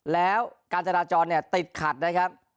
แล้วการจราจรเนี่ยติดขัดนะครับ